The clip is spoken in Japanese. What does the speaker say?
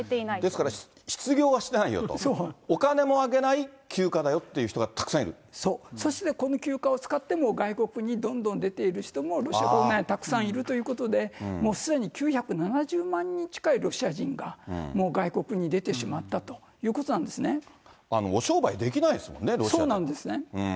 ですから失業はしてないよと、お金もあげない、そう、そしてこの休暇を使って、外国にどんどん出ている人もロシア国内にたくさんいるということで、もうすでに９７０万人近いロシア人がもう外国に出てしまったといお商売できないですもんね、そうなんですね。